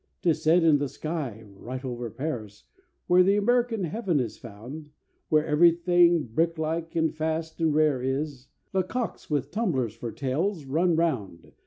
"'Tis said in the sky—right over Paris, Where the American heaven is found, Where everything brick like and fast and rare is— The cocks with tumblers for tails run round.